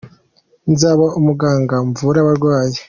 Nzaba umuganga mvure abarwayi.